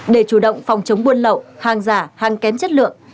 để chủ động phòng chống buôn lậu hàng giả hàng kém chất lượng